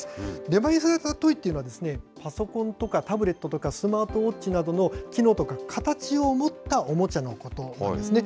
デバイス型トイというのは、パソコンとかタブレットとか、スマートウォッチなどの機能とか形を持ったおもちゃのことなんですね。